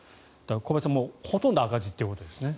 小林さんほとんど赤字ということですね。